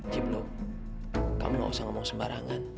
cipluk kamu gak usah ngomong sembarangan